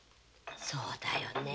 そうだよね